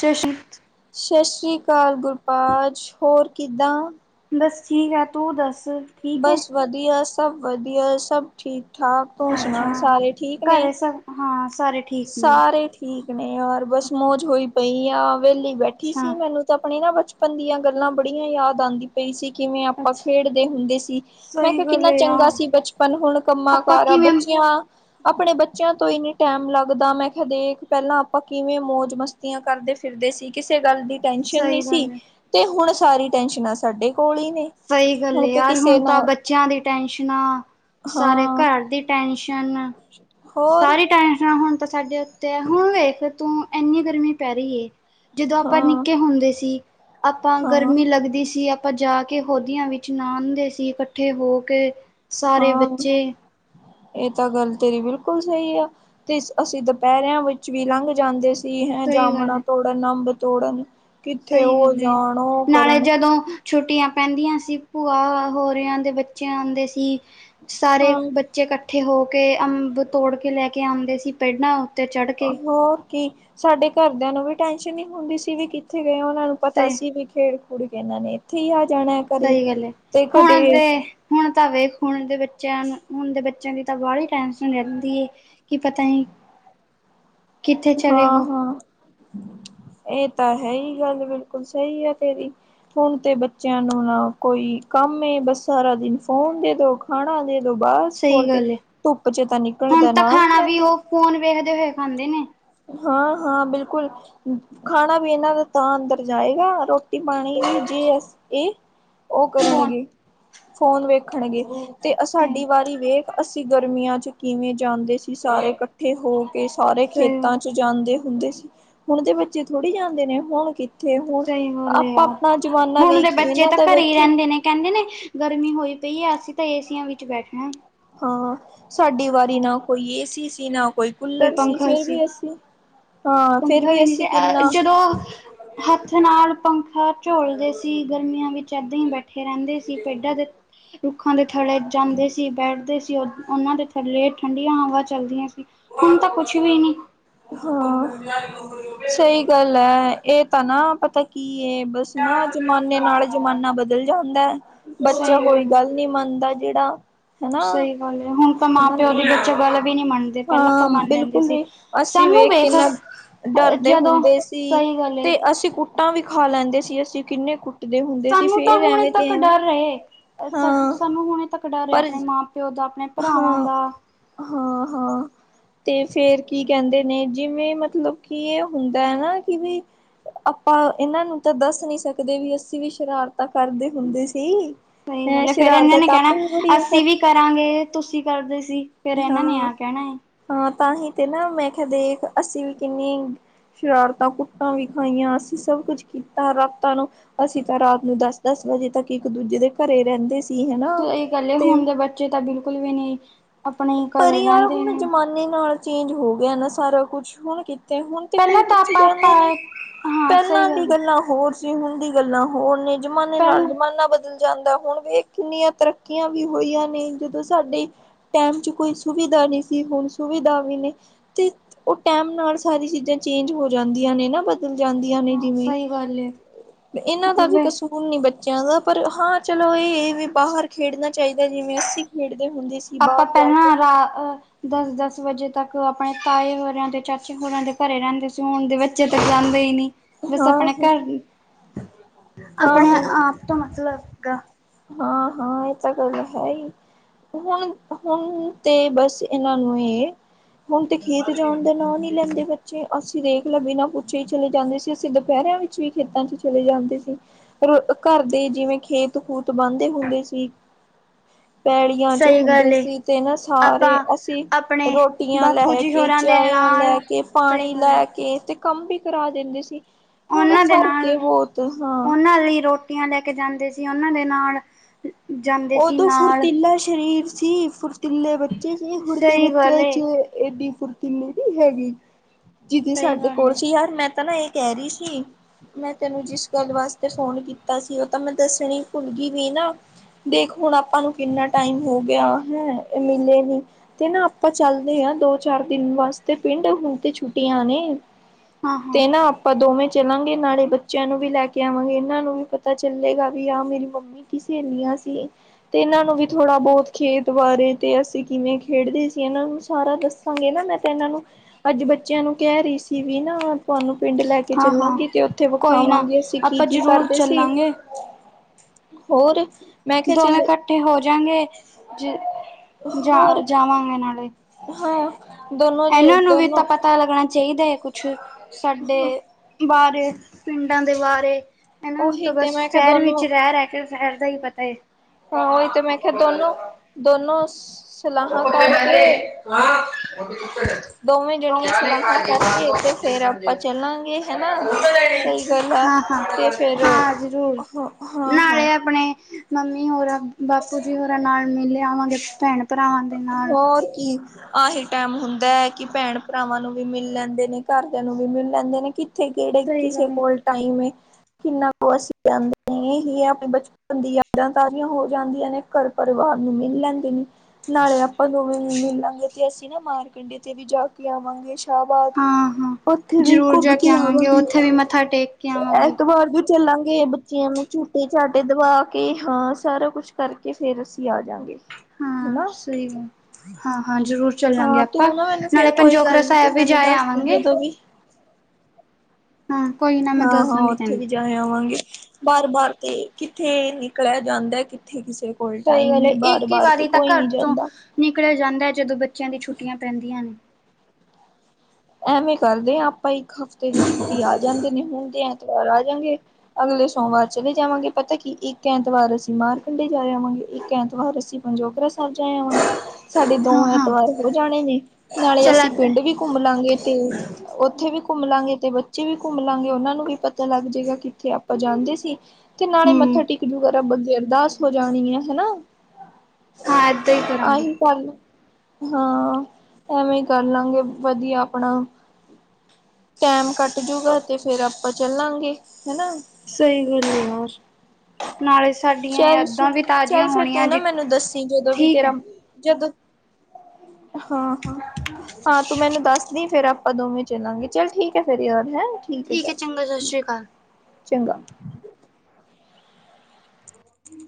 ਸ, ਸ਼੍ਰੀ ਸ, ਸ੍ਰੀ ਅਕਾਲ, ਗੁਰਬਾਜ, ਹੋਰ ਕਿੱਦਾਂ? ਬਸ ਠੀਕ ਐ, ਤੂ ਦੱਸ? ਠੀਕ ਹੈ ਬਸ ਵਧੀਆ, ਸਭ ਵਧੀਆ, ਸਭ ਠੀਕ-ਠਾਕ, ਤੂੰ ਅੱਛਾ ਸੁਣਾ, ਸਾਰੇ ਠੀਕ ਨੇ? ਘਰੇ ਸਭ ਹਾਂ, ਸਾਰੇ ਠੀਕ ਨੇ ਸਾਰੇ ਈ ਠੀਕ ਨੇ ਯਾਰ, ਬਸ ਮੌਜ ਹੋਈ ਪਈ ਆ, ਵਿਹਲੀ ਬੈਠੀ ਅੱਛਾ ਸੀ, ਮੈਨੂ ਆਪਣੇ ਨਾ ਬਚਪਨ ਦੀਆਂ ਗੱਲਾਂ ਬੜੀਆਂ ਯਾਦ ਆਂਦੀ ਪਈ ਸੀ, ਕਿਵੇਂ ਆਪਾਂ ਅੱਛਾ ਖੇਡਦੇ ਹੁੰਦੇ ਸੀ। ਮੈਂ ਸਹੀ ਕਿਹਾ ਗੱਲ ਕਿੰਨਾ ਹੈ ਚੰਗਾ ਯਾਰ ਸੀ ਬਚਪਨ, ਹੁਣ ਆਪਾਂ ਕੰਮਾਂ-ਕਾਰਾਂ, ਕਿਵੇਂ ਬੱਚਿਆਂ ਆਪਣੇ ਬੱਚਿਆਂ ਤੋਂ ਈ, ਨੀ ਟੈਮ ਲੱਗ ਲੱਗਦਾ। ਮੈਂ ਕਿਹਾ ਦੇਖ, ਪਹਿਲਾਂ ਆਪਾਂ ਕਿਵੇਂ ਮੌਜ-ਮਸਤੀਆਂ ਕਰਦੇ ਫਿਰਦੇ ਸੀ, ਕਿਸੇ ਗੱਲ ਦੀ ਟੈਸ਼ਨ ਸਹੀ ਨਹੀਂ ਸੀ, ਗੱਲ ਹੈ ਤੇ ਹੁਣ ਸਾਰੀ ਟੈਸ਼ਨਾਂ ਸਾਡੇ ਕੋਲ ਹੀ ਨੇ। ਸਹੀ ਗੱਲ ਹੁਣ ਤੇ ਯਾਰ, ਕਿਸੇ ਹੁਣ ਤਾਂ ਨਾਲ ਬੱਚਿਆਂ ਦੀ ਟੈਨਸ਼ਨਾਂ ਸਾਰੇ ਘਰ ਦੀ ਟੈਨਸ਼ਨ! ਹੋ ਸਾਰੀ ਟਾਈਂਸ਼ਨਾ ਹੁਣ ਤਾਂ ਸਾਡੇ ਉੱਤੇ ਆ, ਹੁਣ ਵੇਖ ਤੂੰ, ਇੰਨੀ ਗਰਮੀ ਪੈ ਰਹੀ ਏ ਜਦੋਂ ਆਪਾਂ ਹਾਂ ਨਿੱਕੇ ਹੁੰਦੇ ਸੀ, ਆਪਾਂ ਹਾਂ ਗਰਮੀ ਲੱਗਦੀ ਸੀ ਆਪਾ ਜਾਕੇ ਹੋਦੀਆਂ ਵਿੱਚ ਨਹਾਂਦੇ ਸੀ, ਕੱਠੇ ਹੋਕੇ। ਹਾਂ, ਇਹ ਤਾ ਗੱਲ ਤੇਰੀ ਬਿਲਕੁਲ ਸਹੀ ਆ। ਤੇ, ਅਸੀਂ ਦੁਪਹਿਰਿਆਂ ਵਿੱਚ ਵੀ ਲੰਘ ਜਾਂਦੇ ਤੀ, ਹੈ ਸਹੀ ਗੱਲ ਜਾੰਮਣਾ ਹੈ ਤੋੜਨ, ਅੰਬ ਤੋੜਨ ਕਿੱਥੇ ਸਹੀ ਉਹ ਗੱਲ ਏ। ਜਾਣ ਉਹ ਨਾਲੇ ਕਰਨ ਜਦੋਂ ਛੁੱਟੀਆਂ ਪੈਂਦੀਆਂ ਸੀ, ਭੂਆ ਹੋਰਿਆਂ ਦੇ ਬੱਚੇ ਆਂਦੇ ਸੀ, ਸਾਰੇ ਹਾਂ ਬੱਚ ਚੇ ਇਕੱਠੇ ਹੋਕੇ, ਅੰਬ ਤੋੜਕੇ ਲੈਕੇ ਆਂਦੇ ਸੀ ਪਹਿਲਾਂ ਹੋਰ ਕੀ, ਸਾਡੇ ਘਰਦਿਆਂ ਨੂੰ ਵੀ ਟੈਸ਼ਨ ਨੀ ਹੁੰਦੀ ਸੀ, ਵੀ ਕਿੱਥੇ ਗਏ ਉਹਨਾਂ ਨੂੰ ਪਤਾ ਤੇ ਸੀ, ਵੀ ਖੇਡ-ਖੂਡ ਕੇ ਇਹਨਾਂ ਨੇ ਇੱਥੇ ਹੀ ਆ ਜਾਣਾ। ਘਰੇ ਸਹੀ ਗੱਲ ਏ, ਤੇ ਕਦੇ ਹੁਣ ਤੇ ਹੁਣ ਤਾਂ ਵੇਖ, ਹੁਣ ਦੇ ਬੱਚਿਆਂ ਨੂੰ। ਹੁਣ ਦੇ ਬੱਚਿਆਂ ਦੀ ਤਾਂ ਬਾਹਲੀ ਟੈਸ਼ਨ ਰਹਿੰਦੀ ਏ। ਕੀ ਪਤਾ ਹੈ। [inaudible] ਹਾਂ- ਹਾਂ, ਇਹ ਤਾਂ ਹੈ, ਹੀ। ਗੱਲ ਬਿਲਕੁਲ ਸਹੀ ਆ ਤੇਰੀ। ਹੁਣ ਤੇ ਬੱਚਿਆਂ ਨੂੰ, ਨਾ ਕੋਈ ਕੰਮ, ਬਸ ਸਾਰਾ ਦਿਨ ਫੋਨ ਦੇ, ਦੋ ਖਾਣਾ ਦੇ। ਬਸ ਹੋਰ ਸਹੀ ਤੇ, ਗੱਲ ਏ। ਧੁੱਪ'ਚ ਤਾ ਹੁਣ ਨਿਕਲਦਾ ਤਾਂ ਨਾ ਨੀ ਖਾਣਾ ਵੀ ਲੈਂਦੇ। ਉਹ ਫੋਨ ਵੇਖਦੇ ਹੋਏ, ਖਾਂਦੇ ਨੇ। ਹਾਂ-ਹਾਂ, ਬਿਲਕੁਲ। ਖਾਣਾ ਵੀ ਇਹਨਾਂ ਦਾ ਤਾਂ ਅੰਦਰ ਜਾਏਗਾ, ਰੋਟੀ-ਪਾਣੀ ਵੀ, ਜੇ ਅਸ ਇਹ, ਉਹ ਫੋਨ ਕਰਨਗੇ, ਫੋਨ ਵੇਖਣਗੇ, ਤੇ ਸਾ ਸਹੀ ਸਾਡੀ ਵਾਰੀ ਵੇਖ ਅਸੀਂ ਗਰਮੀਆਂ 'ਚ ਕਿਵੇਂ ਜਾਂਦੇ ਸੀ, ਸਾਰੇ ਇਕੱਠੇ ਹੋਕੇ, ਸਾਰੇ ਖੇਤ ਸਹੀ ਚ ਜਾਂਦੇ ਹੁੰਦੇ ਸੀ, ਹੁਣ ਦੇ ਬੱਚੇ ਥੋੜੀ ਜਾਂਦੇ ਨੇ, ਹੁਣ ਕਿ ਹੁਣ, ਸਹੀ ਬੋਲੇ ਯਾਰ। ਆਪਾ-ਆਪਣਾ ਜਵਾਨਾ ਹੁਣ ਦੇ ਵੇਖੀਏ ਬੱਚੇ ਨਾਂ, ਤਾਂ ਦਾ ਘਰੇ ਹੀ ਵੇਖੀ ਰਹਿੰਦੇ ਨੇ ਕਹਿੰਦੇ ਨੇ, ਗਰਮੀ ਹੋਈ ਪਈ ਐ, ਅਸੀਂ ਤਾਂ ਏਸੀਆਂ ਵਿੱਚ ਬੈਠਣਾ। ਹਾਂ, ਸਾਡੀ ਵਾਰੀ ਨਾ ਕੋਈ ਏਸੀ ਸੀ, ਨਾ ਕੋਈ ਕੂੱਲਰ ਸੀ, ਫਿਰ ਵੀ ਅਸੀ ਪੰਖਾ ਵੀ, ਨਹੀਂ ਸੀ ਅ ਜਦੋਂ। ਹੱਥ ਨਾਲ ਪੰਖਾ ਝੋਲਦੇ ਸੀ। ਗਰਮੀਆਂ ਵਿੱਚ, ਏਦਾਂ ਹੀ ਬੈਠੇ ਰਹਿੰਦੇ ਸੀ, ਪੇਡਾਂ ਦੇ- ਰੁੱਖਾਂ ਦੇ ਥੱਲੇ ਜਾਂਦੇ ਸੀ, ਬੈਠਦੇ ਸੀ, ਉਹਨਾਂ ਦੇ ਥੱਲੇ ਠੰਡੀਆਂ ਹਵਾ, ਚੱਲਦੀਆਂ ਸੀ। ਹੁਣ ਤਾਂ, ਕੁਛ ਵੀ ਨੀ। ਹਾਂ, ਸਹੀ ਗੱਲ ਹੈ। ਇਹ ਤਾਂ ਨਾ, ਪਤਾ ਕੀ ਏ, ਬਸ। ਨਾ ਜਮਾਨੇ ਨਾਲ, ਜਮਾਨਾ ਬਦਲ ਜਾਂਦਾ ਐ। ਬੱਚਾ ਕੋਈ ਗੱਲ। ਨੀ ਮੰਨਦਾ, ਜਿਹੜਾ ਹਨਾ। ਸਹੀ ਗੱਲ ਹੈ ਹੁਣ ਤਾਂ ਮਾਂ ਪਿਓ ਦੀ ਬੱਚੇ ਗੱਲ ਵੀ ਨਹੀਂ ਮੰਨਦੇ। ਪਹਿਲਾਂ ਤਾਂ ਹਾਂ, ਮੰਨ ਲੈਂਦੇ ਬਿਲਕੁਲ ਸੀ ਨਹੀਂ। ਅਸੀਂ ਵੇਖ ਕਿਨਾ ਡਰਦੇ ਜਦੋਂ ਹੁੰਦੇ ਸੀ, ਸਹੀ ਗੱਲ ਏ ਤੇ। ਅਸੀਂ ਕੁੱਟਾਂ ਵੀ, ਖਾ ਲੈਂਦੇ ਸੀ, ਅਸੀਂ ਕਿੰਨੇ। ਕੁੱ- ਸਾਨੂੰ ਤਾਂ ਹੁਣੇ, ਤੱਕ ਡਰ ਹੇ, ਹਾਂ ਸਾਨੂੰ ਹੁਣੇ ਤੱਕ ਡਰ ਹੇ ਪਰ ਆਪਣੇ ਮਾਂ- ਪਿਓ ਦਾ। ਆਪਣੇ- ਭਰਾਵਾਂ ਹਾਂ। ਦਾ ਹਾਂ- ਹਾਂ। ਤੇ ਫੇਰ, ਕੀ ਕਹਿੰਦੇ ਨੇ, ਜਿਵੇਂ ਮਤਲਬ ਕੀ, ਇਹ ਹੁੰਦਾ ਹੈ ਨਾ, ਕਿ ਵੀ। ਆਪਾਂ ਇਹਨਾਂ ਨੂੰ, ਤਾਂ ਦੱਸ ਨਹੀਂ ਸਕਦੇ ਵੀ। ਅਸੀਂ ਵੀ ਸ਼ਰਾਰਤਾਂ, ਕਰਦੇ ਹੁੰਦੇ ਸੀ। ਸਹੀ ਹੈਂ ਗਲ ਹੈ। ਫੇਰ ਇਹਨਾਂ ਸ਼ਰਾਰਤਾਂ ਨੇ ਤਾਂ ਕਹਿਣਾ, ਆਪੇ ਵੀ ਬੜੀਆਂ ਅਸੀਂ ਕਰ ਵੀ ਕਰਾਂਗੇ, ਤੁਸੀਂ ਕਰਦੇ ਸੀ। ਫੇਰ ਇਹਨਾਂ ਨੇ ਹਾਂ। ਆ ਕਹਿਣਾ ਹੈ ਹਾਂ ਤਾਂਹੀ, ਤੇ ਨਾ ਮੈਂ ਕਿਹਾ, ਦੇਖ ਅਸੀਂ ਵੀ ਕਿੰਨੀ। ਸ਼ਰਾਰਤਾਂ, ਕੁੱਟਾਂ ਵੀ ਖਾਈਆਂ, ਅਸੀਂ ਸਭ ਕੁਝ ਕੀਤਾ। ਰਾਤਾਂ ਨੂੰ- ਅਸੀਂ ਤਾਂ ਰਾਤ ਨੂੰ, ਦਸ, ਦਸ ਵਜੇ ਤੱਕ, ਇੱਕ ਦੂਜੇ ਦੇ ਘਰੇ ਰਹਿੰਦੇ ਸੀ ਹਨਾ। ਸਹੀ ਗੱਲੇ। ਤੇ ਹੁਣ ਦੇ ਬੱਚੇ, ਤਾਂ ਬਿਲਕੁਲ ਵੀ ਨਹੀਂ। ਆਪਣੇ ਪਰ ਘਰੇ ਯਾਰ ਰਹਿੰਦੇ ਹੁਣ, ਨੇ ਜਮਾਨੇ ਨਾਲ ਚੇਂਜ, ਹੋ ਗਿਆ ਨਾ। ਸਾਰਾ ਕੁਛ, ਹੁਣ। ਤੇ ਹੁਣ ਤੇ, ਪਹਿਲਾਂ ਕੋਈ ਤਾਂ ਬੱਚੇ ਆਪਾਂ ਜਾਂਦਾ ਨਹੀਂ। ਆਪਾਂ ਹਾਂ ਪਹਿਲਾਂ ਸਹੀ ਦੀ ਗੱਲ ਗੱਲਾਂ, ਹੋਰ। ਹੁਣ ਦੀ, ਗੱਲਾਂ ਹੋਰ ਨੇ। ਜਮਾਨੇ ਨਾਲ ਪਹਿਲਾਂ ਜ਼ਮਾਨਾ ਬਦਲ। ਜਾਂਦਾ। ਹੁਣ ਵੇਖ ਕਿੰਨੀਆਂ ਤਰੱਕੀਆਂ ਵੀ, ਹੋਈਆਂ ਨੇ, ਜਦੋਂ ਸਾਡੇ। ਟਾਈਮ ਚ, ਕੋਈ ਸੁਵਿਧਾ ਨਹੀਂ ਸੀ। ਹੁਣ ਸੁਵਿਧਾ ਵੀ ਨੇ। ਤੇ ਉਹ ਟੈਮ ਨਾਲ, ਸਾਰੀ ਚੀਜ਼ਾਂ ਚੇਂਜ ਹੋ ਜਾਂਦੀਆਂ ਨੇ, ਨਾ। ਬ- ਬਦਲ ਜਾਂਦੀਆਂ ਨੇ ਹਾਂ ਜਿਵੇਂ। ਸਹੀ ਗੱਲ ਇਹਨਾਂ ਦਾ ਵੀ ਹੈ ਕੱਸੋ। ਹੁਣ ਨਹੀਂ ਬੱਚਿਆਂ ਦਾ। ਪਰ ਹਾਂ, ਚਲੋ ਇਹ ਵੀ ਬਾਹਰ ਖੇਡਣਾ ਚਾਹੀਦਾ, ਜਿਵੇਂ ਅਸੀਂ ਖੇਡਦੇ ਹੁੰਦੇ ਸੀ। ਆਪਾਂ, ਬਾਹਰ ਜਾ ਕੇ ਪਹਿਲਾਂ ਰਾ- ਦਸ- ਦਸ, ਵਜੇ ਤੱਕ, ਆਪਣੇ ਤਾਏ ਹੋਰਿਆਂ ਦੇ, ਚਾਚੇ ਹੋਰਿਆਂ ਦੇ, ਘਰੇ ਰਹਿੰਦੇ ਸੀ। ਹੁਣ ਦੇ ਬੱਚੇ ਤੇ ਜਾਂਦੇ ਹੀ, ਨਹੀਂ। ਬਸ ਹਾਂ ਆਪਣੇ ਹਾਂ ਘਰ ਹੀ। ਹਾਂ ਆਪਣੇ ਹਾਂ ਆਪ ਤੋਂ ਮਤਲਬ, ਗ ਹਾਂ- ਹਾਂ, ਇਹ ਤਾਂ, ਗੱਲ ਹੈ। ਹੁਣ, ਹੁਣ ਤੇ ਬਸ, ਇਹਨਾਂ ਨੂੰ ਹੀ। ਹੁਣ ਤੇ, ਖੇਤ ਜਾਣ ਦਾ, ਨਾਂ ਨੀ ਲੈਂਦੇ ਬੱਚੇ। ਅਸੀਂ ਦੇਖ ਲ ਬਿਨਾਂ ਪੁਛੇ ਹੀ, ਚਲੇ ਜਾਂਦੇ ਸੀ। ਅਸੀਂ ਦੁਪਹਿਰਿਆਂ ਵਿੱਚ, ਵੀ ਖੇਤਾਂ ਚ, ਚਲੇ ਜਾਂਦੇ ਸੀ। ਰ ਘਰ ਦੇ, ਜਿਵੇਂ ਖੇਤ- ਖੂਤ ਬਾਂਦੇ ਹੁੰਦੇ ਸੀ। ਪੈੜੀਆਂ ਚ ਸਹੀ ਗੱਲ ਹੁੰਦੇ ਏ ਸੀ। ਤੇ ਨਾ ਆਪਾਂ ਸਾਰੇ ਅਸੀਂ, ਆਪਣੇ ਰੋਟੀਆਂ ਬਾਪੂ ਲੈ ਜੀ ਕੇ, ਹੋਰਾਂ ਦੇ ਚਾਹਆਂ ਲੈ। ਨਾਲ ਕੇ ਸਹੀ ਪਾਣੀ ਗੱਲ ਏ ਲੈ ਕੇ, ਤੇ ਕੰਮ ਵੀ ਕਰਾ, ਦਿੰਦੇ ਸੀ। ਹੁਣ ਉਹਨਾਂ ਦੇ ਫ਼ਰਕ ਏ ਨਾਲ, ਬਹੁਤ ਹਾਂ ਉਹਨਾਂ ਲਈ ਰੋਟੀਆਂ ਲੈ ਕੇ ਜਾਂਦੇ ਸੀ। ਉਹਨਾਂ ਦੇ ਨਾਲ। ਜਾਂਦੇ ਸੀ ਉਦੋਂ ਨਾਲ ਫੁਰਤੀਲਾ ਸਰੀਰ ਸੀ ਫੁਰਤੀਲੇ ਬੱਚੇ ਸੀ ਹੁੜਦੇ ਸਹੀ ਗੱਲ ਬੱਚੇ ਚ ਏ ਏਡੀ ਫੁਰਤੀਲੀੀ ਹੈਗੀ ਜਿਦੀ ਸਹੀ ਸਾਡੇ ਗੱਲ ਕੋਲ ਏ ਸੀ ਯਾਰ ਮੈਂ ਤਾਂ ਨਾ ਇਹ ਕਹਿ ਰੀ ਸੀ। ਮੈਂ ਤੈਨੂੰ ਜਿਸ ਗੱਲ, ਵਾਸਤੇ ਫੋਨ ਕੀਤਾ ਸੀ। ਉਹ ਤਾਂ ਮੈਂ, ਦੱਸਣੀ ਭੁੱਲ ਗਈ ਵੀ ਨਾ। ਦੇਖ ਹੁਣ ਆਪਾਂ ਨੂੰ, ਕਿੰਨਾ ਟਾਈਮ ਹੋ, ਗਿਆ। ਹੈ, ਇਹ ਮਿਲੇ ਨੀ। ਤੇ ਨਾ, ਆਪਾਂ ਚੱਲਦੇ ਹਾਂ। ਦੋ, ਚਾਰ ਦਿਨ ਵਾਸਤੇ ਪਿੰਡ। ਹੁਣ ਤੇ ਛੁੱਟੀਆਂ ਨੇ। ਹਾਂ-ਹਾਂ, ਤੇ, ਨਾ। ਆਪਾਂ ਦੋਵੇਂ ਚੱਲਾਂਗੇ। ਨਾਲੇ ਬੱਚਿਆਂ ਨੂੰ ਵੀ, ਲੈ ਕੇ ਆਵਾਂਗੇ। ਇਹਨਾਂ ਨੂੰ ਵੀ, ਪਤਾ ਚੱਲੇਗਾ ਵੀ ਆਹ ਮੇਰੀ ਮੰਮੀ। ਕਿਸੇਨੀਆਂ ਸੀ ਤੇ ਇਹਨਾਂ ਨੂੰ ਵੀ, ਥੋੜਾ ਬਹੁਤ ਖੇਤ ਬਾਰੇ, ਤੇ ਅਸੀਂ ਕਿਵੇਂ ਖੇਡਦੇ ਸੀ। ਇਹਨਾਂ ਨੂੰ ਸਾਰਾ ਦੱਸ। ੱਸਾਂਗੇ ਨਾ ਮੈਂ ਤਾਂ ਇਹਨਾਂ ਨੂੰ ਅੱਜ ਬੱਚਿਆਂ ਨੂੰ ਕਹਿ ਰਹੀ ਸੀ ਵੀ ਨਾ ਤੁਹਾਨੂੰ ਪਿੰਡ ਲੈ ਕੇ ਹਾਂ-ਹਾਂ ਚੱਲਾਂਗੀ ਤੇ ਉੱਥੇ ਕੋਈ ਨਾ ਵਿਖਾਵਾਂਗੇ ਅਸੀਂ ਕੀ ਆਪਾਂ ਕੀ ਜ਼ਰੂਰ ਕਰਦੇ ਸੀ ਚੱਲਾਂਗੇ। ਹੋਰ ਮੈਂ ਕਿਹਾ ਦੋਵੇਂ ਚੱਲ ਇਕੱਠੇ ਹੋ ਜਾਗੇ ਜ ਜਾ ਹੋਰ ਜਾਵਾਂਗੇ ਨਾਲੇ ਹਾਂ ਦੋਨੋ ਜੇ ਇਹਨਾਂ ਨੂੰ ਵੀ ਤਾਂ ਦੋਨੋ ਪਤਾ ਲੱਗਣਾ ਚਾਹੀਦਾ ਹੈ ਕੁਛ ਸਾਡੇ ਬਾਰੇ ਪਿੰਡਾਂ ਦੇ ਬਾਰੇ ਇਹਨਾਂ ਨੂੰ ਉਹੀ ਤੋਂ ਤੇ ਬਸ ਮੈਂ ਕਿਹਾ ਸ਼ਹਿਰ ਦੋਨੋ ਵਿੱਚ ਰਹਿ ਰਹਿ ਕੇ ਸ਼ਹਿਰ ਦਾ ਹੀ ਪਤਾ ਹੈ ਹਾਂ ਉਹੀ ਤੇ ਮੈਂ ਕਿਹਾਿਆ ਦੋਨੋ ਦੋਨੋ ਉਹ ਪੱਪੇ ਬ ਕ ਮ ਚ ਕਰਕੇ ਜੇ ਦੋਵੇਂ ਜਣੀਆਂ ਸਲਾਹਾਂ ਕਰਕੇ ਤੇ ਫੇਰ ਆਪਾਂ ਚੱਲਾਂਗੇ ਬ ਹਨਾ। ਸਹੀ ਗੱਲ ਆ ਹਾਂ ਹਾਂ ਤੇ ਫੇਰ ਹਾਂ ਜ਼ਰੂਰ ਹਾਂ, ਹਾਂ। ਨਾਲੇ ਆਪਣੇ ਮੰਮੀ ਹੋਰਾਂ ਬਾਪੂ ਜੀ ਹੋਰਾਂ ਨਾਲ ਮਿਲਲੇ ਆਵਾਂਗੇ ਭੈਣ ਭਰਾਵਾਂ ਦੇ ਨਾਲ ਹੋਰ ਕੀ ਆਹੀ ਟੈਮ ਹੁੰਦਾ ਹੈ ਕਿ ਭੈਣ ਭਰਾਵਾਂ ਨੂੰ ਵੀ ਮਿਲ ਲੈਂਦੇ ਨੇ ਘਰਦਿਆਂ ਨੂੰ ਵੀ ਮਿਲ ਲੈਂਦੇ ਨੇ ਕਿ ੱਥੇ ਕਿਹੜੇ ਸਹੀ ਕਿਸੇ ਗੱਲ ਹੈ ਕੋਲ ਟਾਈਮ ਕਿੰਨਾ ਕੁ ਅਸੀਂ ਜਾਂਦੇ ਹ ਹੀ ਆਪਣੇ ਬਪ ਬੰ ਦੀ ਯਾਦਾਂ ਤਾਜ਼ੀਆਂ ਹੋ ਜਾਂਦੀਆਂ ਨੇ ਘਰ ਪਰਿਵਾਰ ਨੂੰ ਮਿਲ ਲੈਂਦੇ ਨੇ ਨਾਲੇ ਆਪਾਂ ਨੂੰ ਮਿਲਾਂਗੇ ਤੇ ਅਸੀਂ ਨਾ ਮਾਰ ਕੰੰਡੇ ਤੇਤੇ ਵੀ ਜਾ ਕੇ ਆਵਾਂਗੇ ਸ਼ਬਾਦ ਹਾਂ ਹਾਂ ਉੱਥੇ ਵੀ ਜ਼ਰੂਰ ਘੁੰਮ ਜਾ ਕੇ ਆਵਾਂਗੇ ਉੱਥੇ ਵੀ ਮੱਥਾ ਟੇਕ ਕੇ ਆਵਾਂਗੇ ਐਤਵਾਰ ਚੱਲਾਂਗੇ ਬੱਚਿਆਂ ਨੂੰ ਝੂਟੇ ਝਾਟੇ ਦਬ ਕੇ ਹਾਂ ਸਾਰਾ ਕੁਛ ਕਰਕੇ ਫੇਰ ਅਸੀਂ ਆ ਜਾਂਾਂਗੇ ਹਾਂ ਹਨਾ ਸਹੀ ਹਾਂ ਹਾਂ ਜ਼ਰੂਰ ਚੱਲਾਂਗੇ ਹਾਂ ਆਪਾਂ ਤੂੰ ਨਾ ਮੈਨੂੰ ਨਾਲੇ ਫੇਰ ਕੋਈ ਗੱਲ ਪੰਜੋਖਰਾ ਨੀ ਤੂੰ ਸਾਹਿਬ ਵੀ ਮੈਨੂੰ ਜਾ ਦੱਸਦੀ ਆਵਾਂਗੇ ਜਦੋਂ ਵੀ ਹਾਂ ਕੋਈ ਨਾ ਮੈਂ ਹਾਂ ਦੱਸ ਹਾਂ ਦਾਂਗੀ ਉੱਥੇ ਤੈਨੂੰ ਵੀ ਜਾ ਆਵਾਂਗੇ ਬਾਰ ਬਾਰ ਤੇ ਕਿੱਥੇ ਨਿਕਲਿਆ ਜਾਂਦਾ ਕਿੱਥੇ ਕਿਸੇ ਕੋਲ ਸਹੀ ਟਾਈਮ ਗੱਲ ਹੈ ਏ ਬਾਰ ਇੱਕ ਹੀ ਬਾਰ ਤੇ ਵਾਰੀ ਤਾਂ ਕੋਈ ਘਰ ਨੀ ਤੋਂ ਜਾਂਦਾ ਨਿਕਲਿਆ ਜਾਂਦਾ ਹੈ ਜਦੋਂ ਬੱਚਿਆਂ ਦੀ ਛੁੱਟੀਆਂ ਪੈਂਦੀਆਂ ਨੇ ਐਵੇਂ ਕਰਦੇ ਹਾਂ ਆਪਾਂ ਇੱਕ ਹਫ਼ਤੇ ਦੀ ਛੁੱਟੀ ਆ ਜਾਂਦੇ ਨੇ ਹੁਣ ਤੇ ਐਤਵਾਰ ਆ ਜਾਂਗੇ ਅਗਲੇ ਸੋਮਵਾਰ ਚਲੇ ਜਾਵਾਂਗੇ ਪਤਾ ਕੀ ਇੱਕ ਐਤਵਾਰ ਅਸੀਂ ਮਾਰ ਕੰਢੇ ਜਾ ਜਾਵਾਂਗੇ ਐਤਵਾਰ ਅਸੀਂ ਪੰਜੋਗਰਾ ਸਾਹਿਬ ਜਾਏ ਹ ਸਾਡੇ ਦੋ ਹਾਂ ਹਾਂ ਐਤਵਾਰ ਹੋ ਜਾਣੇ ਨੇ ਨਾਲੇ ਚੱਲ ਅਸੀਂ ਏਦਾਂ ਪਿੰਡ ਹੀ ਵੀ ਘੁੰਮ ਲਵਾਂਗੇ ਤੇ ਉੱਥੇ ਵੀ ਘੁੰਮ ਲਾਂਗੇ ਤੇ ਬੱਚੇ ਵੀ ਘੁੰਮ ਲਾਂਗੇ ਉਹਨਾਂ ਨੂੰ ਵੀ ਪਤਾ ਲੱਗ ਜਾਏਗਾ ਕਿੱਥੇ ਆਪਾਂ ਜਾਂਦੇ ਸੀ ਤੇ ਨਾਲੇ ਹਮ ਮੱਥਾ ਟਕ ਜੂਗੈਰਾ ਬਗੇ ਅਰਦਾਸ ਹੋ ਜਾਣੀ ਆ ਹਨਾ ਤਾਂ ਇੱਦਾਂ ਹੀ ਕਰਾਂਗੇ ਆਹੀ ਗੱਲ ਹਾਂ ਐਵੇਂ ਹੀ ਕਰ ਲਾਂਗੇ ਵਧੀਆ ਆਪਣਾ ਟੈਮ ਕੱਟ ਜੂਗਾ ਤੇ ਫੇਰ ਆਪਾਂ ਚੱਲਾਂਗੇ ਹਨਾ ਸਹੀ ਗੱਲ ਯਾਰ ਨਾਲੇ ਸਾਡੀਆਂ ਚੱਲ ਫ ਯਾਦਾਂ ਵੀ ਤਾਜ਼ੀਆਂ ਚੱਲ ਫੇਿਰ ਹੋਣੀਆਂ ਤੂੰ ਨਾ ਜੀ ਮੈਨੂੰ ਦੱਸੀ ਜਦੋਂ ਵੀ ਠੀਕ ਤੇਰਾ ਹੈ ਜਦੋਂ ਹਾਂ ਹਾਂ ਹਾਂ ਤੂੰ ਮੈਨੂੰ ਦੱਸਦੀ ਫੇਿਰ ਆਪਾਂ ਦੋਵੇਂ ਚੱਲਾਂਗੇ ਚੱਲ ਠੀਕ ਹੈ ਫੇਿਰ ਯਾਰ ਹੈ ਠੀਕ ਹੈ ਚੰਗਾ ਸਤਿ ਚੱਲ ਸ਼੍ਰੀ ਅਕਾਲ ਚੰਗਾ